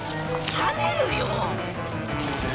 はねるよ！